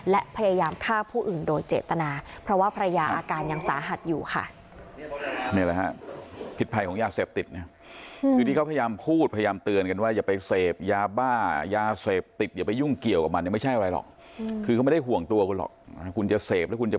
และพยายามฆ่าผู้อื่นโดยเจตนา